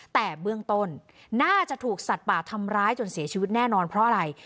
แต่เบื้องต้นน่าจะถูกสัตว์ป่าทำร้ายจนเสียชีวิตแน่นอนเพราะอะไร